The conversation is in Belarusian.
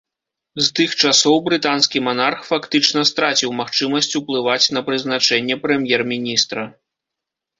З тых часоў брытанскі манарх фактычна страціў магчымасць уплываць на прызначэнне прэм'ер-міністра.